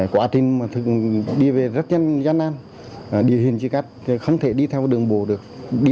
của a trinh mà thường đi về rất là gian nan đi hình chi cắt không thể đi theo đường bộ được